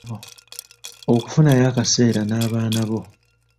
Okufunayo akaseera n’abaanabo.